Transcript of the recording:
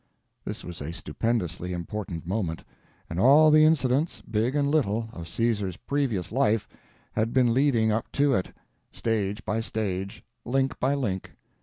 This was a stupendously important moment. And all the incidents, big and little, of Caesar's previous life had been leading up to it, stage by stage, link by link.